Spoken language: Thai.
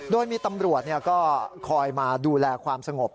โดยมีตำรวจก็คอยมาดูแลความสงบ